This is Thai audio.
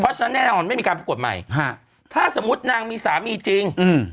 เพราะฉะนั้นแน่นอนไม่มีการประกวดใหม่ฮะถ้าสมมุตินางมีสามีจริงอืม